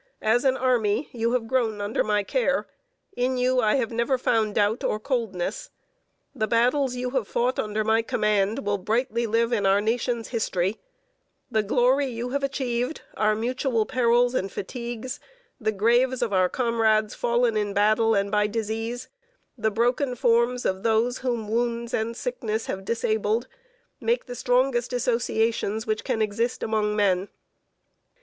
As an army, you have grown under my care; in you I have never found doubt or coldness. The battles you have fought under my command will brightly live in our nation's history; the glory you have achieved, our mutual perils and fatigues, the graves of our comrades fallen in battle and by disease, the broken forms of those whom wounds and sickness have disabled, make the strongest associations which can exist among men.